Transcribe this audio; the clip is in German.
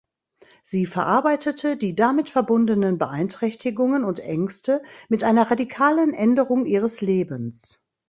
Sie verarbeitete die damit verbundenen Beeinträchtigungen und Ängste mit einer radikalen Änderung ihres Lebens.